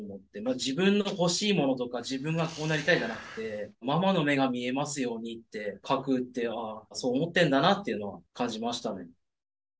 自分の欲しいものとか自分がこうなりたいじゃなくてママの目が見えますようにって書くってああそう思ってんだなっていうのを感じましたね。